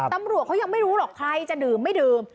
ตำรวจเขายังไม่รู้หรอกใครจะดื่มไม่ดื่ม